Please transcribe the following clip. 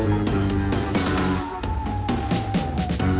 ไอ้เงียนไอ้ทุกวัน